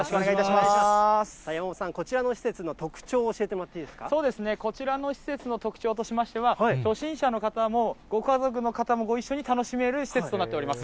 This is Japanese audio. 山本さん、こちらの施設の特こちらの施設の特徴としましては、初心者の方も、ご家族の方もご一緒に楽しめる施設となっております。